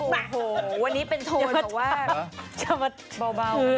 โอ้โหวันนี้เป็นโทนแบบว่าจะมาเบา